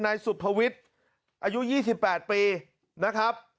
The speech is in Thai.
นายสุภวิทย์อายุ๒๘ปีนะครับ